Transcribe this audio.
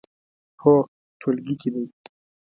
هو، ټولګي کې دی